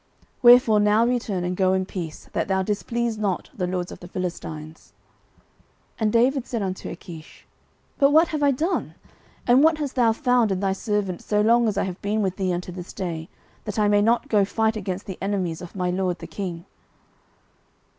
09:029:007 Wherefore now return, and go in peace, that thou displease not the lords of the Philistines. 09:029:008 And David said unto Achish, But what have I done? and what hast thou found in thy servant so long as I have been with thee unto this day, that I may not go fight against the enemies of my lord the king?